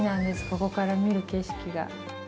ここから見る景色が。